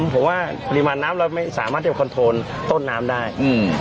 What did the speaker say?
ผมว่าริมายน้้ำเราไม่สามารถยอมคอนโทรลต้นน้้ำได้อือ